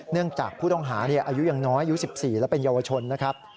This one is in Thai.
จากผู้ต้องหาอายุยังน้อยอายุ๑๔และเป็นเยาวชนนะครับ